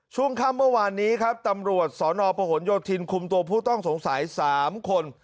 ช่วงค่ำเมื่อวานนี้ครับตำรวจสนประหลโยธินคุมตัวผู้ต้องสงสัย๓คน